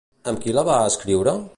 Amb qui la va escriure?